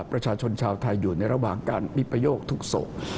ประชาชนชาวไทยอยู่ในระหว่างการวิปโยคทุกศพ